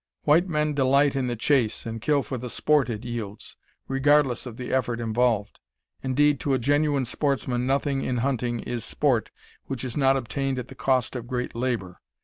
White men delight in the chase, and kill for the "sport" it yields, regardless of the effort involved. Indeed, to a genuine sportsman, nothing in hunting is "sport" which is not obtained at the cost of great labor.